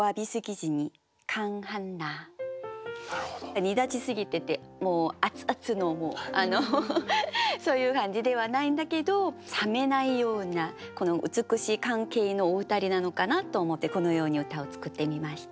煮立ち過ぎててもう熱々のそういう感じではないんだけど冷めないようなこの美しい関係のお二人なのかなと思ってこのように歌を作ってみました。